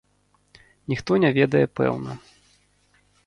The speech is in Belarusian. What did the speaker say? Ніхто не ведае пэўна.